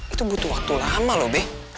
itu butuh waktu lama loh bek